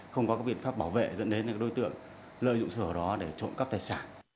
không có biện pháp bảo vệ dẫn đến đối tượng lợi dụng sổ đó để trộm cắp tài sản